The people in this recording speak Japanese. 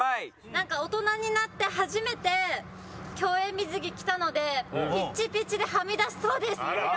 なんか大人になって初めて競泳水着着たのでピッチピチではみ出しそうですいろいろ。